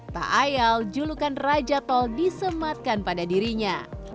tak ayal julukan raja tol disematkan pada dirinya